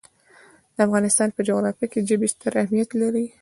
د افغانستان په جغرافیه کې ژبې ستر اهمیت لري.